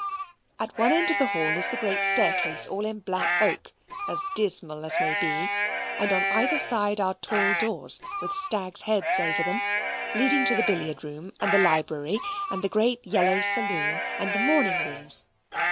At one end of the hall is the great staircase all in black oak, as dismal as may be, and on either side are tall doors with stags' heads over them, leading to the billiard room and the library, and the great yellow saloon and the morning rooms.